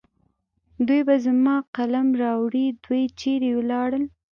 دوی به زما قلم راوړي. دوی چېرې ولاړل؟